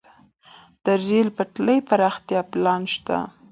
د ریل پټلۍ پراختیا پلان شته